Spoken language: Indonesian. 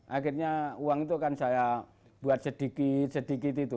akhirnya uang itu akan saya buat sedikit sedikit itu